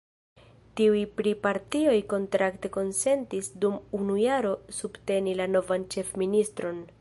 Tiuj tri partioj kontrakte konsentis dum unu jaro subteni la novan ĉefministron.